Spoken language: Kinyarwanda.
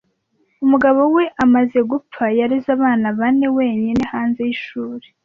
Umugabo we amaze gupfa, yareze abana bane wenyine. Hanze y'ishuri,